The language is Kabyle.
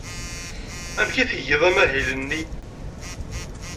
Amek i tgiḍ amahil-nni?